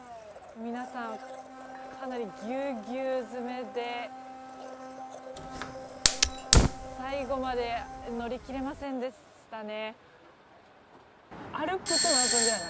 皆さんかなりぎゅうぎゅう詰めで最後まで乗り切れませんでしたね。